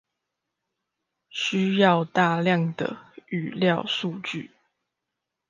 需要大量的語料數據